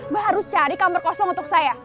mbak harus cari kamar kosong untuk saya